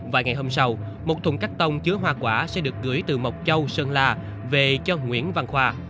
và ngày hôm sau một thùng cắt tông chứa hoa quả sẽ được gửi từ mộc châu sơn la về cho nguyễn văn khoa